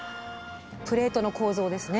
プレートの構造ですね。